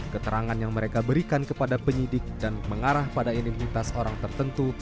keterangan yang mereka berikan kepada penyidik dan mengarah pada identitas orang tertentu